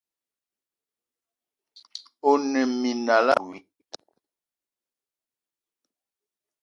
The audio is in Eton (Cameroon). One minal abui.